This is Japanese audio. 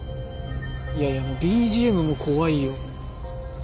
いやいやもうＢＧＭも怖いよ。